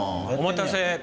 お待たせ。